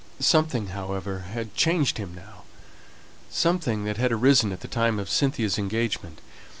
Something, however, had changed him now: something that had arisen at the time of Cynthia's engagement.